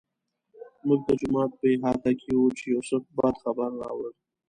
موږ د جومات په احاطه کې وو چې یوسف بد خبر راوړ.